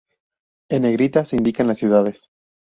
En negrita se indican las ciudades.